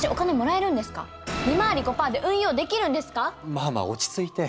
まあまあ落ち着いて。